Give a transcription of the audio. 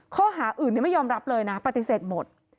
ข้อหาอื่นไม่ยอมรับเลยนะปฏิเสธหมด